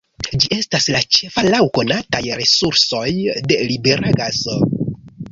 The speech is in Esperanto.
Ĝi estas la ĉefa laŭ konataj resursoj de libera gaso.